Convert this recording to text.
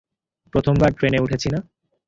প্রথমবার ট্রেনে উঠেছি না।